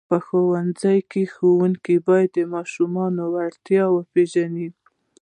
په ښوونځیو کې ښوونکي باید د ماشومانو وړتیاوې وپېژني.